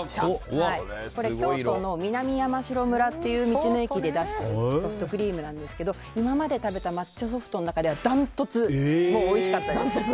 京都の南山城村っていう道の駅で出しているソフトクリームなんですけど今まで食べた抹茶ソフトの中ではダントツでおいしかったです。